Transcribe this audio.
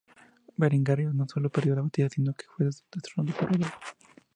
Berengario no solo perdió la batalla, sino que fue destronado por Rodolfo.